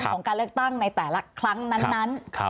ของการเลือกตั้งในแต่ละครั้งนั้น